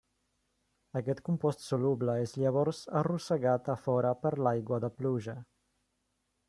Aquest compost soluble és llavors arrossegat a fora per l'aigua de pluja.